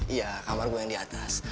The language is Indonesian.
iya kamar gue yang di atas